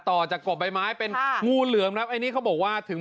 ต่อจากครบใบไม้เป็นงูเหลือง